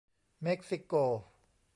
เม็กซิโก